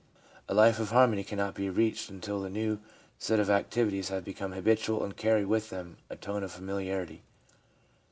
A life of harmony cannot be reached until the new set of activities have become habitual and carry with them a tone of familiarity.